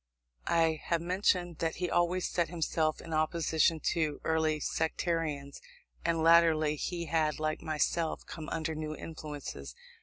I have mentioned that he always set himself in opposition to our early sectarianism; and latterly he had, like myself, come under new influences.